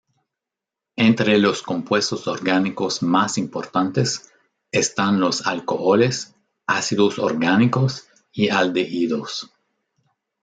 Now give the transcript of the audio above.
Entre los compuestos orgánicos más importantes, están los alcoholes, ácidos orgánicos y aldehídos.